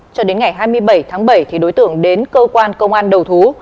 cho đến ngày hai mươi bảy tháng bảy đối tượng đến cơ quan công an đầu thú